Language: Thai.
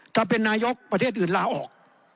ถ้าเป็นนายกประเทศอื่นลาออก